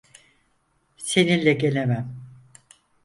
Seninle gelemem.